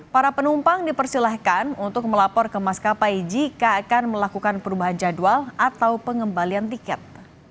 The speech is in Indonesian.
para penumpang dipersilahkan untuk melapor ke maskapai jika akan melakukan perubahan jadwal atau pengembalian tiket